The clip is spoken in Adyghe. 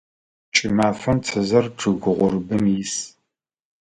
Кӏымафэм цызэр чъыг гъурбым ис.